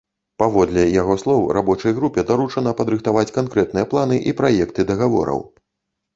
Паводле яго слоў, рабочай групе даручана падрыхтаваць канкрэтныя планы і праекты дагавораў.